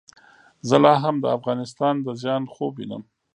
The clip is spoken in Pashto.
زه لا هم د افغانستان د زیان خوب وینم.